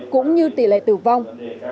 cũng như tỷ lệ tử vong